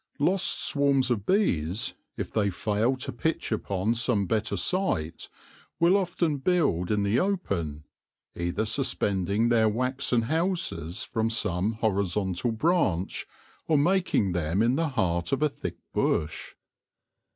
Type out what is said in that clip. Lost swarms of bees, if they fail to pitch upon some better site, will often build in the open, either suspending their waxen houses from some horizontal branch, or making them in the heart of a thick bush.